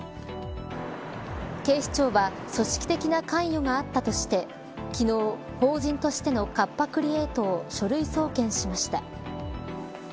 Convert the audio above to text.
警視庁は組織的な関与があったとして昨日、法人としてのカッパ・クリエイトを書類送検しました。